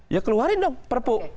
ya keluarin dong perpu